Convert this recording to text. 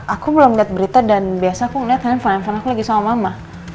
aku belum liat berita dan biasa aku liat handphone handphone aku lagi sama mama